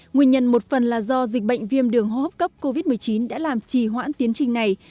nguyên nhân một phần là do dịch bệnh viêm đường hô hấp cấp covid một mươi chín đã làm trì hoãn tiến trình này